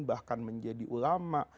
bahkan menjadi ulama